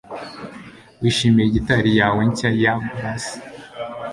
Wishimiye gitari yawe nshya ya bass